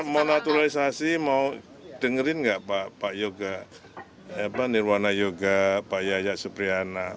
mau naturalisasi mau dengerin nggak pak yoga nirwana yoga pak yaya supriyana